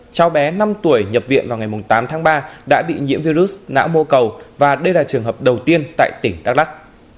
cháu bé năm tuổi nhập viện vào ngày tám tháng ba đã bị nhiễm virus não mô cầu và đây là trường hợp đầu tiên tại tỉnh đắk lắc